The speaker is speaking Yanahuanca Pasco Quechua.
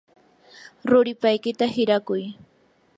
ruripaykita hirakuy.